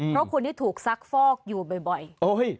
เพราะคุณนี้ทุกซักฟอกอยู่บ่อย